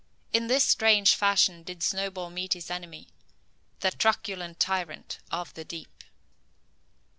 In this strange fashion did Snowball meet his enemy, the truculent tyrant of the deep.